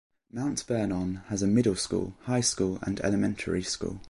Mount Vernon has a middle school, high school, and elementary school.